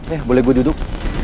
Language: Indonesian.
eh boleh gue duduk